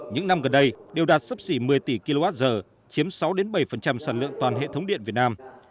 những năm gần đây đều đạt sấp xỉ một mươi tỷ kwh chiếm sáu bảy sản lượng toàn hệ thống điện việt nam